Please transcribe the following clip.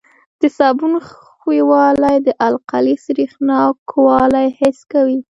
د صابون ښویوالی د القلي سریښناکوالی حس کوي.